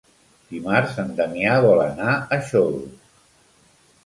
Dimarts en Damià vol anar a Xodos.